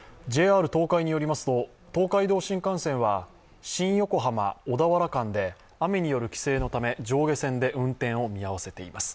ＪＲ東海によりますと東海道新幹線は新横浜−小田原間で雨による規制のため上下線で運転を見合わせています。